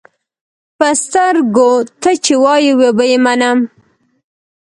پۀ سترګو، تۀ چې وایې وبۀ یې منم.